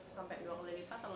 sampai dua kali lipat atau nggak